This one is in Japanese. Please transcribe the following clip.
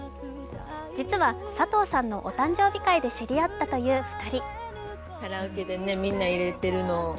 実は佐藤さんのお誕生日会で知り合ったという２人。